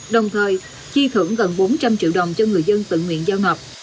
đồng thời chi thưởng gần bốn trăm linh triệu đồng cho người dân tự nguyện giao nộp